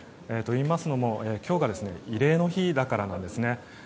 といいますのも、今日が異例の日だからなんですね。